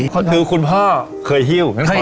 คือคุณพ่อเคยหิ้ว